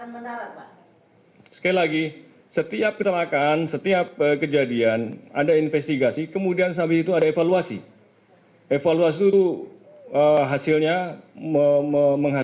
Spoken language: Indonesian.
mas sekal ini kejadian menjelang landing ini pernah terjadi di matiumpang